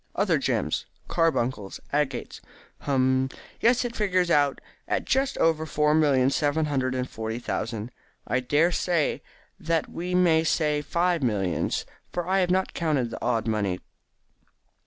Other gems, carbuncles, agates hum! Yes, it figures out at just over four million seven hundred and forty thousand. I dare say that we may say five millions, for I have not counted the odd money."